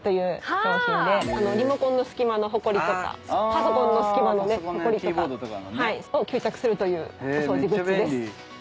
リモコンの隙間のほこりとかパソコンの隙間のほこりとかを吸着するというお掃除グッズです。